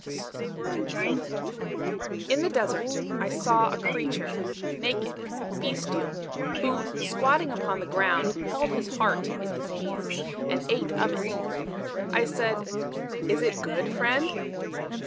III In the desert I saw a creature, naked, bestial, who, squatting upon the ground, Held his heart in his hands, And ate of it. I said, "Is it good, friend?"